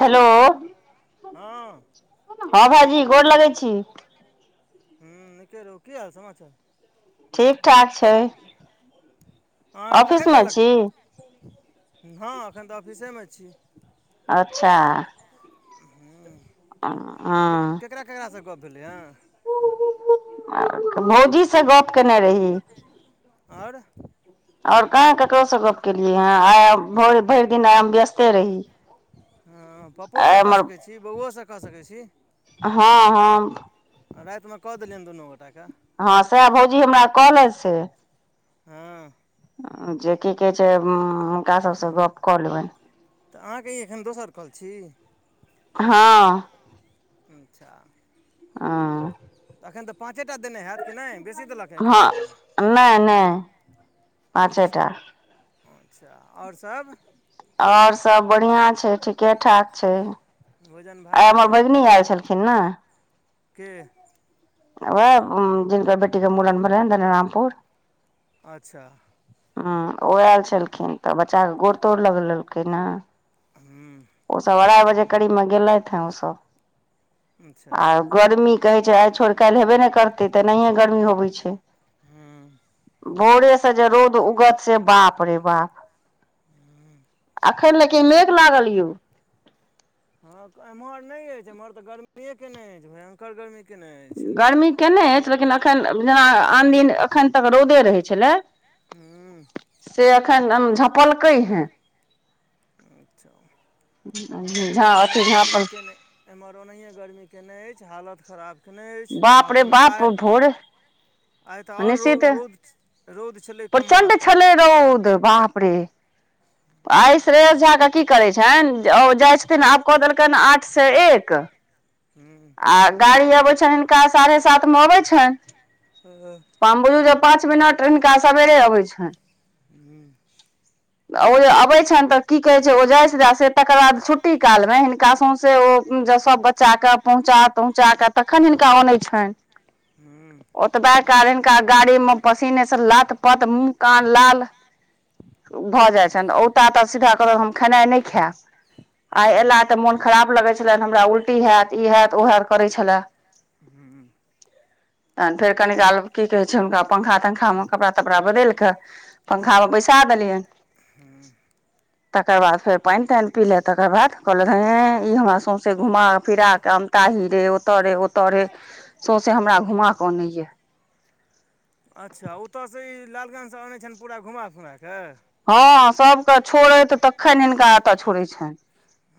Hello हँ हँ भाइजी गोर लगै छी। हम्म नीके रहु, कि हाल समाचार? ठीक ठाक छै। अहाँके ऑफिस कखन मे देलक ए, छी हँ एखन तऽ ऑफिसेमे छी। अच्छा उहूँ आ अँ केकरा-केकरासँ गप भेलै हँ। भौजी से गप केने रही। अओर और कहाँ केकरो से गप केलियए हं आ भो भरि दिन आए हम व्यस्त ते रही, आय हमर। इ बौओसँ कऽ सकै छी। हँ-हँ राति म कऽ देलियनि दुनू गोटा क हँ सैह भौजी हमरा कहलैथ से हँ अँ जे की कहै छै, हुनका सबसँ गप कऽ लेबनि। तऽ अहाँके ई एखन दोसर कॉल छी। हँ अच्छा आ एखन तऽ पाँचे टा देने हैत कि नहि, बेसी देलकए एक्के हँ बेरमे। नहि नहि अच्छा पाँचेटा। अच्छा अओर सब और सब बढ़ियां छै, ठीके ठाक छै। भोजन आइ हमर भात भैगनी ऐल छलखिन ने। के वैह जिनकर बेटी के मूड़न भेलैन, धनेरामपुर अच्छा हं ओ ऐल छलखिन, तऽ बच्चा के गोड़-तोड़ लग लेलकै ने हम्म ओसब अढ़ाइ बजे करीब मे गेलथि हैं, ओसब अच्छा आ गर्मी कहै छै, आइ छोड़ काल्हि हेबे ने करतै, तेनहिये गर्मी होबै छै। हूँ भोरेसँ जे रौंउद उगत से बाप रे बाप हूँ अखन लेकिन मेघ लागल यौ। हँ एम्हर नहि अछि, एम्हर तऽ गर्मिए केने अछि, भयंकर गर्मी केने अछि। गर्मी केने अछि, लेकिन एखन जेना आन दिन एखन तक रौदे रहै छलै हम्म से अखन झपलकै हैं। ऊ अच्छा। नै झा एम्हर अथी ओनाहिये झाँपल गरमी केने एम्हर ओनाहिये गरमी केने अछि हालत खराब। केने अछि बा बाप रे तइमे बाप आइ भोर आइ त और रौ निश्चित रौद। रौद छलै। प्रचंड कमालके छलै रौद बाप रे। आइ शरेेश झा की करै छैनि जे ओ जाइ छथिन आब कऽ देलकनि आठ से एक। हूँ आ गाड़ी अबै छैनि हिनका साढ़े सातमे अबै छैनि। ओह। पांम बुझु जे पाँच मिनट हिनका सबेरे अबै छैनि। हुं। ओ जे अबै छैनि त की कहै छै ओ जाइ से तकर बाद छुट्टी कालमे हिनका सौंसे ओ। जँ सब बच्चा कब। पहुँचा तहुँचा क तखन हिनका अनै छनि हूँ ओतबा काल हिनका गाड़ीम। पसीने सँ लत पत मुह कान लाल। भऽ जाइ छनि औता त सीधा कहत हम खेनाइ नहि खायब आइ हूँ एला। त मोन खराब लगै छलैन हमरा उल्टी हैत। इ हैत ओ हैत करै छेला। हुं। तहन फेर कनी काल की कहै छै हुनका पंखा तंखामे कपड़ा तपड़ा बदैल कऽ। पंखामे बैसा देलियैन। हूँ। तकर बाद फेर पाइन ताइन पिलैथि तकर बाद कहलक हें इ हमरा सौंसे घुमा फिरा। कामताही रे ओत रे ओत रे सौंसे हमरा घुमा क अनैया। अच्छा ओत से ई लालगंज सँ अनै छैनि पूरा घुमा फुमायकेँ। हँ सबके छोड़ैत तखन हिनका एत छोड़ै छैनि।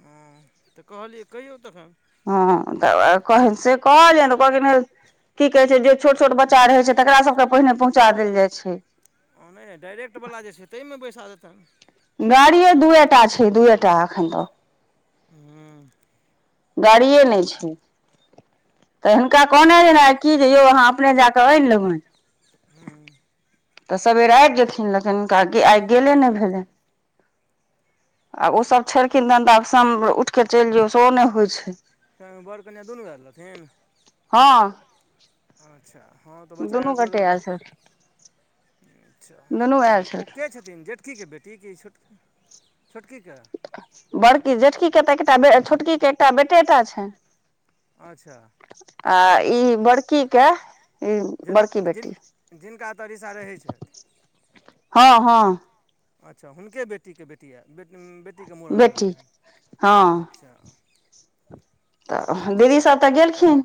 हूँ त कहलियै कहियौ तखन। हँ त वैह कह से कहलियनि त कहलखिन की कहै छै जे छोट छोट बच्चा रहै छै। तकरा सबके पहिने पहुंचा देल जाइ छै। ओ नै डायरेक्ट बला जे छै तैइमे बैसा देतैनि। गाड़ीए दुएटा छै दूएटा अखैनि तऽ। हूँ। गाड़िए नइ छै। त हीनका कहने रहीयैन कि जे यौ अहाँ अपने जा कऽ आनि लेबैनि। हूँ। त सबेर आइब जेथिन लेकिन हुनका आइ आइ गेले नइ भेलैनि। आ ओसब छलखिन तहन त आब साम उठि क चलि जो सेहो नै होइ छै। संग बड़ कनियाँ दुनू आयल रहथिन। हँ। अच्छा हँ त दुनू बच्चाके गोटे गोदमे त। आयल छलखिन अच्छा दुनू आयल ओ के छलखिन छथिन जेटकीके बेटी कि छोट छोटकीकेँ। बड़की जेटकीके त एकटा बे छोटकीे एकटा बेटेटा छैनि। अच्छा। आ इ बड़कीकेँ। जीत-जिन-जिनका एत रिसा रहै छैथि। हँ-हँ। अच्छा हुनके बेटी के बेटी ये बेट उम्म बेट बेटी के मुड़न भेल बेटी रहैन अच्छा चलू त ठीक दीदी सब हइ त गेलखिन।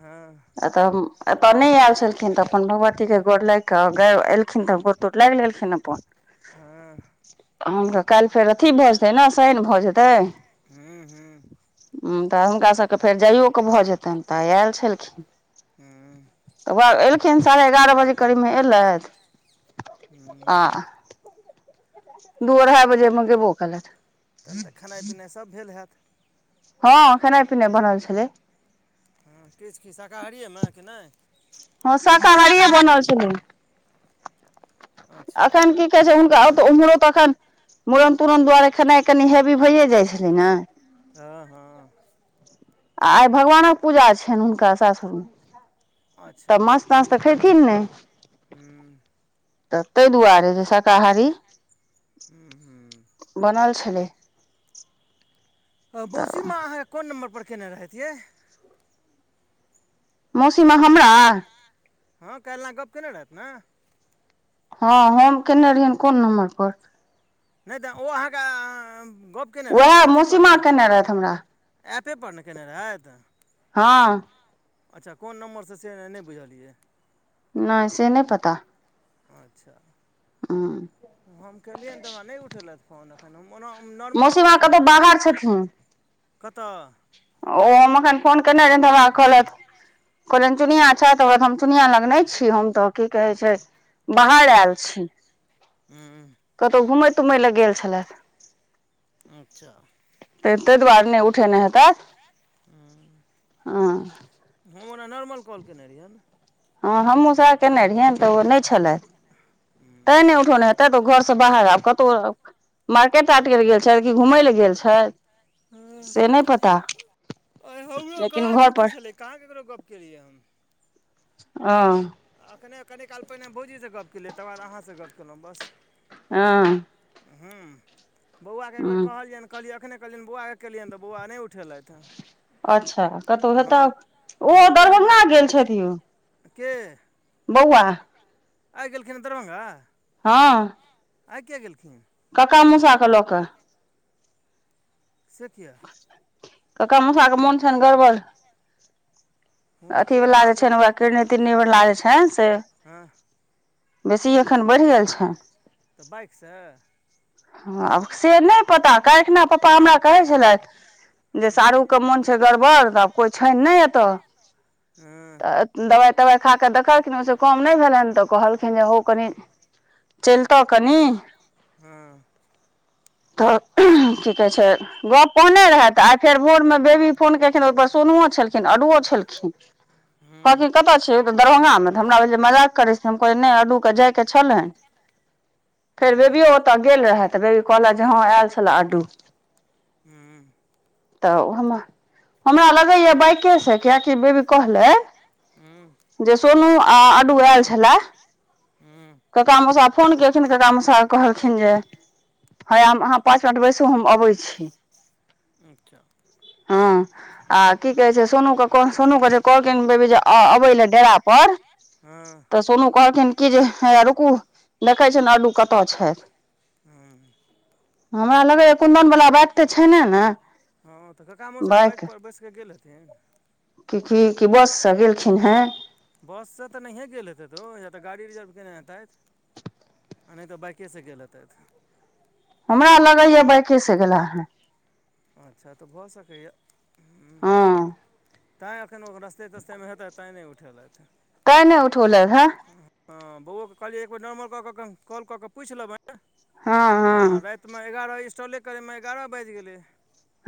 हँ त उम्म एत नैय एल छलखिन त अपन भगवती के गोर लागि के गेय एलखिन त गो तोर लागि लेलखिन अपन। हँ हमरा काल्हि फेर अथी भेय जेतैय ने शैनि भऽ जेतैय। हम्म हम्म उम्म तऽ हुनका सभके फेर जाइयो कऽ भऽ जेतनि तऽ आय एल छलखिन। हूँ तऽ वेह एलखिन साढ़े एगारह बजे करीब में एलैथ। हम्म। दू अढ़ाइ बजे में गेबो केलैथ। पिने सब भेल हेत। हँ खेनाय पिनाय बनल छलैय। हँ किछ की शाकाहारिए में कि नहि हँ शाकाहारीए बनल छलैय। अच्छा अखैन की कहै छै हुनका ओतोऽ उम्हरो तखन मूड़न तूड़न दुआरे खेनाय कनि हेवी भइए जाइ छलै ने। अ हँ। आय भगवानक पूजा छनि हुनका सासुर में अच्छा त माछ ताछ तऽ खेथिन नैय। हम्म। तऽ तय दुआरे जे शकाहारी हम्म हम्म। बनल छलै। अ तऽ बोसीमा अहाँ कोन नम्बर पर केने रहैत यै? मौसीमाँ हमरा? हँ कालि आँ गप केने रहैत ने? हँ हम केने रहियनि कोन नम्बर पर? नहि तऽ ओ अहाँके एँऽ गप्प केने रहैथ ने उएह अथी पर ने मौसीमा केने रहथि हमरा ऐपे पर ने केने रहैत? हँ। अच्छा कोन नम्बर से, से नैय बुझलियै। नैय से नैय पता। अच्छा हम केलियनि तऽ हमा नहि उठेलथि फोन। हम ओना हम नॉर्मल कॉल मौसीमा केने कतहु बाहर रहियेन छथिन कतऽ ओ हम अखैन फोन केने रहनि तऽ हमा कहलत कहलनि चुनिया छैत? [unintelligible] हम चुनिया लग नै छी हम तऽ की कहैय छैय बाहार एल छी। हम्म। कतौ घूमै तूमय लए गेल छलैथि। अच्छा तै तै दुआरे नै उठेने हेतैथ। हँ हम्म हम ओना नॉर्मल कॉल केने रहियनि। अँ हमूँ सेह केने रहियैनि तऽ ओ नैय छलैथि। हूँ तैं नै उठौने हेतैत ओ घर से बाहर आब कतौ अ मार्केट तारकेट गेल छैथ कि घूमय ले गेल छैथ हँ से नैय पता। आइ हमरो छेथिन कहाँ घर छुट्टी पर। छलै कहाँ ककरो गप्प केलियै हम? ओ। एखने कनि काल पहिने भौजीसँ गप केलियै तकर बाद अहाँसँ गपऽ कयलहुँ बस। हँ। ह्म्म बौआकेँ एक बेर हँ कहलियैन कहलियै एखने कहलिअनि बौआ के केलियैन तऽ बौआ नहि उठेलथि हैं। अच्छा कतहु हेताह ओ हँ पहिने न दरभंगा गेल छथि यौ। के? बौआ। आइ गेलखिन दरभंगा? हँ। आइ किये गेलखिन? कक्का मूसा के लऽ कऽ। से किये? कक्का मूसा के मोन छनि गड़बड़। हुनको अथिवला जे अहाँके छै ने ओकरा किरनी तिड़नीवला जे छैन से। हँ बेसी एखन बढ़ि गेल छनि तऽ बाइकसँ? हँ आब से नहि पता कालखिना पपा हमरा कहै छलथि जे हँ साढू के मोन छै गड़बड़ तऽ आब कोइ छानि नहि अतह। हँ। दबाइ तवाइ खा कऽ देखलखिन ओहिसऽ कम नहि भेलै हन तऽ कहलखिन जे हौ कनि चलितऽ कनि हँ। तऽ की कहै छै। गप कहने रहैथ आइ फेर भोरमे बेबी फोन केलखिन ओहिपर सोनुओ छलखिन अणुओं छलखिन। हू। [inaudible] कतऽ छिय त दरभंगामे तऽ हमरा जे मजाक करै छै हम कहै नहि अन्नू के जायके छै ने। फेर हँ बेबियो ओतय गेल रहए तऽ बेबी कहलथि जे हँ आयल छलए अन्नू। हू। तऽ हम हमरा लगैया बाइके से कियेकि बेबी कहले ह्म्म। जे सोनू आ अन्नू आयल छलए। ह्म्म। काका मसा फोन केलखिन काका मसा कहलखिन जे। हय हम अहाँ पाँच मिनट बैसू हम अबैत छी। अच्छा। हँ आ की कहे छै सोनू के सोनू के जे कहलखिन बेबी के आऊ अबैये डेरा परऽ हँ तऽ सोनू कहलखिन की जे हया रुकू देखै छी लड्डू कतऽ छथि। ह्म्म। हमरा लगैयए कुन्दनवला बात तऽ छै ने ने? हँ तऽ कका मोसा बाइकपर बैस कऽ गेल हेथिन? की-की -की, बससँ गेलखिन हेँ? बससँ तऽ नहिए गेल हेतैथओ या तऽ गाड़ी रिजर्व केने हेतथि। अऽ नहि तऽ बइकेसँ गेल हेतैथ। हमरा लगैया बाइके से गेला हे। अच्छा त भऽ सकैए ह्म्म। हँ तैँ अखैन ओ रस्ते तस्तेमे हेतैत तैँ नै उठेलैथ। तैं नै उठौलैन हँ। हँ बौओके कहलियै एक बेर नम्बर कऽ कऽ कॉल कऽ कऽ पूइछ लेबैन हँ राइत राइतमे एगारह इन्स्टॉले करैमे एगारह बाइज गेलै।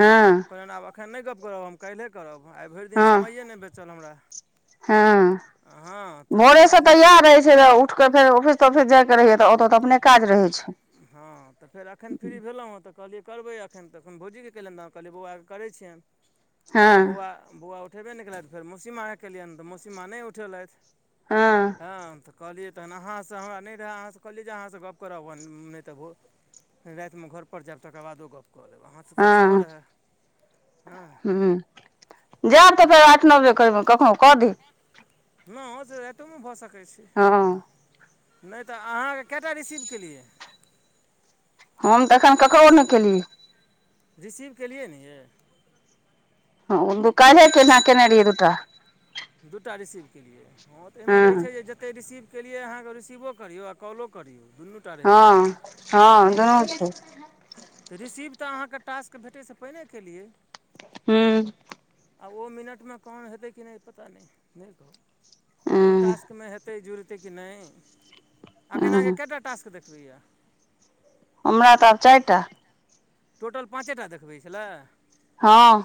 हुं। फेन आब एखन नहि गप्प करब हम काइलहे करब आइ भइर दिन हँ समैेये नै बेचल हमरा। हँ। हाँ। भोरे स त यैह रहै छैय त उठ कऽ फेर ऑफिस तौफिस जायके रहैयए तऽ ओतऽ त अपने काज रहै छैय। हँ त फेर अखैन फ्री भेलौं हँ त कहलियै करबै अखैन तहन भौजी चैल एलौं त कहलियए बौआके करय छियैन हँ त बौआ- बौआ उठेबे नै केलैथ फेर मौसी माँ के केलियैन त मौसीमा नै उठेलैथ। हँ। हँ त कहलियै तहन अहाँ स हमरा नै रहै अहाँ स कहलियै जे अहाँसँ गप करब नै त बहो फेर राइतमे घरपर जैब तकर बादो गप्प कऽ लेब अहाँसे त सेहो हँ रहए। हँ हूँ जैब ताहि त फेर दुआरे आठ नौ बजे करब कखनौ कऽ देब। हँ से राइतो मे भऽ सकै छैय। हँ। नै त अहाँके कएटा रिसीव केलियै। हम त एखन ककरो नै केलियै। रिसीव केलियै ने यै। हँ ओ काइलहे केने- केने रहियै दु टा। दूटा रिसीव केलियै हँ त एयमे रहै छैय जे ज जते रिसीव केलियै अहाँ रिसीवो करियौ आ कॉलो करियौ दुनू टा रहै छै हँ- हँ दुनू छैय। त रिसिव त अहाँके टास्क भेटै सए पहिने केलियै। हू। आब ओ मिनटमे काउंट हेतै कि नै पता नै, नै कहब। ओ हूँ टास्कमे हेतै जुड़तै कि नै, अखन अहाँके हूँ कएटा टास्क देखबैए। हमरा त आब चाइ टा। टोटल पाँचे टा देखबै छलै। हँ।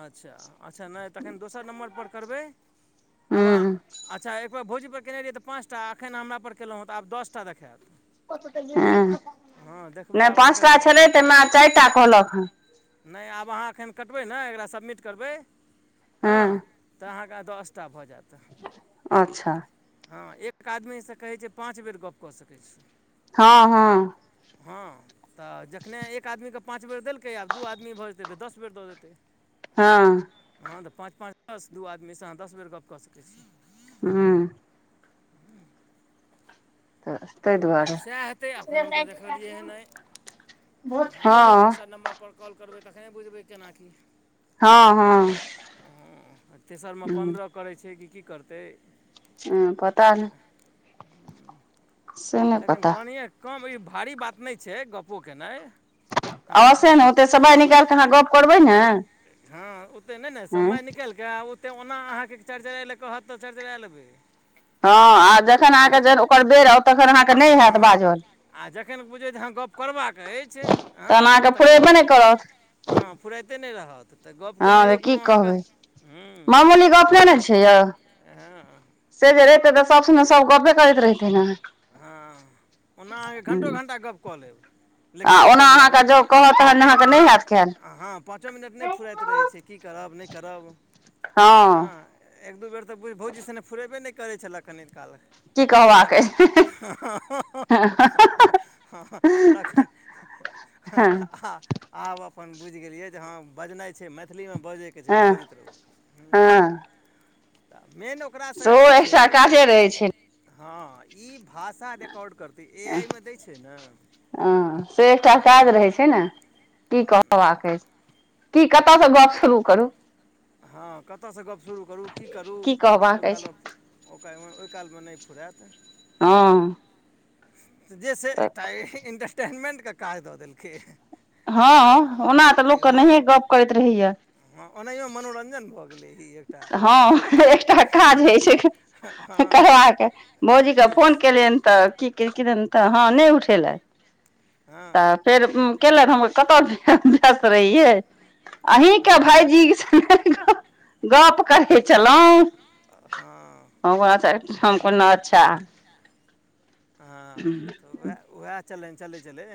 अच्छा-अच्छा नै तखैन दोसर नम्बर पर करबै, आब हूँ अहाँ अच्छा एक बेर भौजी पर केने रहियै त पाँचटा आ अखैन हमरा पर केलौं त आब दसटा देखैत। हँ देखबै नै आब पाँच अहाँके टा छलै तयमे आब चाइ टा कहलक हेँ। नै आब अहाँ अखैन कटबै ने एकरा सबमिट करबै हँ त अहाँके दसटा भऽ जैत। अच्छा। हँ एक आदमीसे कहै छैय पाँच बेर गप कऽ सकै छी। हँ-हँ। हँ। त जखने एक आदमीके पाँच बेर देलकै आब दू आदमी भऽ जेतै त दस बेर दऽ देतै। हँ। हँ तऽ पाँच पाँच द-स दू आदमीसँ अह दस बेर गप कऽ सकै छी। हम्म तऽ ताहि दुआरे सेए हेतै अखन हम तऽ देखेलियै नयि। हँ तेसर नम्बर पर कॉल करबै तखने बुझबै केना की। हँ हँ ह-ह ह तेसरमे हूँ पन्द्रह करै छै, की करतै। हम्म पता नइ लेकिन कनिये कम ई भारी बात नइ छै गप्पो केनाइ। हँ अ से न ओ तेसवा निकाइल कऽ अहाँ गप करबै ने? हँ ओते नइ न हँ समय निकेल कऽ आ ओते ओना अहाँके चर - चरे लै कहत तऽ चर- चरा लेबै। हँ आ जखन अहाँके जेन ओकर बेर आउ तखन अहाँके नइ हेत बाजल आ जखन बुझै जे अँ गप्प करबाक अइछ, तहन हँ अहाँके तखन फुरेबे नहि करत हँ फुराइते नइ रहत। त गप केनाइयो हँ की कोनो अहाँके कहबै हम्म मामूली गप नहि ने छै यौ हँ। से जे रहितै तऽ सब सुना सब गपे करैत रहितै न। हँ ओना अहाँ के घण्टो घण्टा गप्प कऽ लेब। आ लेकिन अइ ओना पर हुए ने, अहाँके जँ कहत तहन अहाँके नहि हैत खैल [inaudible] अ हाँ पाँचो मिनट नइ फुराइत रहै छै, की करब नइ करब हँ, एक दू बेर तऽ बभौजीसँ नहि फोुरेबे नहि करै छलै। कन काल की तऽ कहबाक अइ हँ तखेन हँ आब अपन बुइझ गेलियै जे हँ बजनाइ छै मैथिलीमे बजे के छै हँ बजेत रहु हम्म हँ मेन ओकरा से की सेहो छै एकटा काजे रहै छै हां ई भाषा रिकॉर्ड करतै ए आइ मे दै छै न हं, से एकटा काज रहै छै न, की कहबाक अइछ। की कत सँ गप शुरू करू। हँ कत सँ गप्प शुरू करू, की करू ओयि कहबाक अछि कालमे ओ कैल मे ओयि कालमे नयि फुरेत। हँ जेसै एकटा इन्टरटेनमेंटके काज दऽ देलकै। हँ ओना तऽ लोकक नहिये गप करैत रहैया हँ ओनहियो मनोरंजन भऽ गेलै ही ए हँ एकटा काज होइ छै। हँ करया के भौजी के ई फोन छै केलियन‌। तऽ की केलखिन तऽ हँ नइ उठेलथ। हँ तऽ फेर केलन हम कत [inaudible] हस्त रहि यै। अहींके हँ भायजी स गप करहै छेलाहुँ, हँ हम अच्छा हम कलन अच्छा। हँ त वेह ओएह चल चले चले।